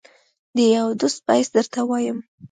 د یوه دوست په حیث درته وایم.